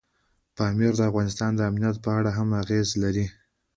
پامیر د افغانستان د امنیت په اړه هم اغېز لري.